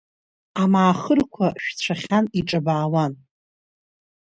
Амаахырқәа шәцәахьан, иҿабаауан.